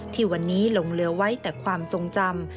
ที่วันนี้ลงเรือไว้แต่ความทรงจำ